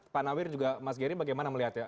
pak nawir juga mas gery bagaimana melihatnya